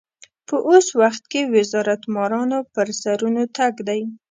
په اوس وخت کې وزارت مارانو پر سرونو تګ دی.